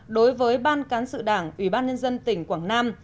đối với ban cán sự đảng ubnd tỉnh quảng nam